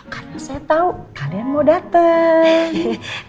karena saya tahu kalian mau datang